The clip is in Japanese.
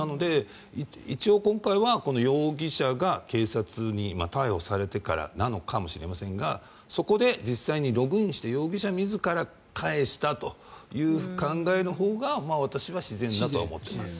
一応、今回は容疑者が警察に逮捕されてからなのかもしれませんがそこで実際にログインして容疑者自ら返したという考えのほうが私は自然だとは思います。